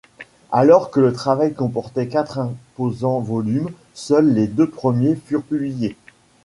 Alors que le travail comportait quatre imposants volumes, seuls les deux premiers furent publiés.